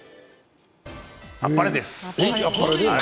あっぱれです！